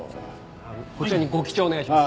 あのこちらにご記帳お願いします。